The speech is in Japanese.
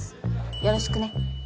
よろしくね。